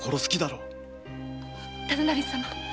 忠成様。